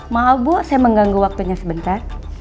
maaf bu saya mengganggu waktunya sebentar